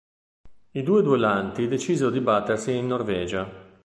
I due duellanti decisero di battersi in Norvegia.